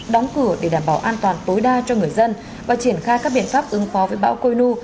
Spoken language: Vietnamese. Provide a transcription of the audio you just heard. đóng cửa để đảm bảo an toàn tối đa cho người dân và triển khai các biện pháp ứng phó với bão coi nu